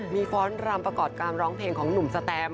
มีฟ้อนรำประกอบการร้องเพลงของหนุ่มสแตม